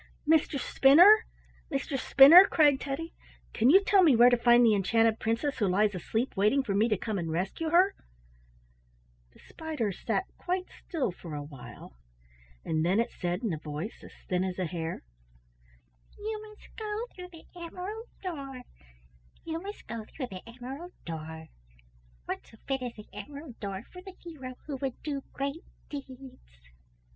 "Mistress Spinner! Mistress Spinner!" cried Teddy. "Can you tell me where to find the enchanted princess who lies asleep waiting for me to come and rescue her?" The spider sat quite still for a while, and then it said in a voice as thin as a hair: "You must go through the emerald door; you must go through the emerald door. What so fit as the emerald door for the hero who would do great deeds?"